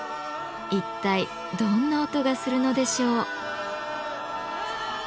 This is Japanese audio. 一体どんな音がするのでしょう？